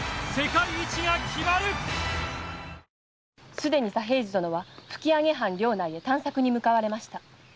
すでに左平次殿は吹上藩領内へ探索に向かわれました。